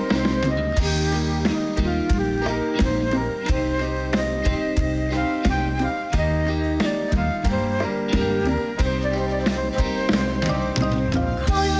เสียงรัก